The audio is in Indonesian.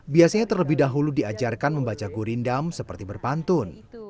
biasanya terlebih dahulu diajarkan membaca gurindam seperti berpantun